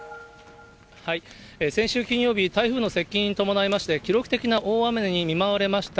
先週金曜日、台風の接近に伴いまして記録的な大雨に見舞われました